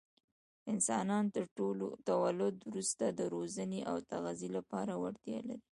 انسانان تر تولد وروسته د روزنې او تغذیې لپاره وړتیا لري.